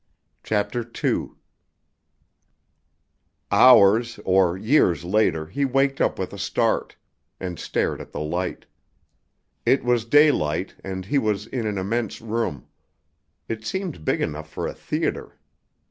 CHAPTER II Hours or years later he waked up with a start, and stared at the light. It was daylight, and he was in an immense room. It seemed big enough for a theater.